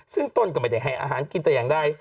ซึ่งต้นก็ไม่ได้ให้อาหารกินแต่อย่างใด